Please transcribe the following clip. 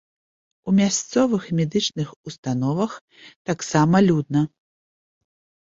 У мясцовых медычных установах таксама людна.